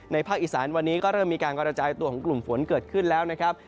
ภาคอีสานวันนี้ก็เริ่มมีการกระจายตัวของกลุ่มฝนเกิดขึ้นแล้วนะครับ